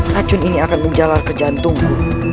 racun ini akan menjalar kerjaan tunggu